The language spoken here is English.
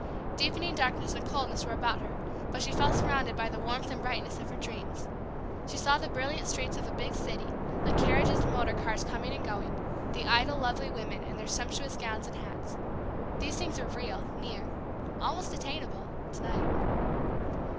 Deepening darkness and coldness were about her, but she felt surrounded by the warmth and brightness of her dreams. She saw the brilliant streets of a big city, the carriages and motor cars coming and going, the idle, lovely women in their sumptuous gowns and hats. These things were real, near almost attainable to night.